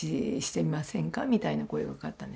みたいな声がかかったんですね。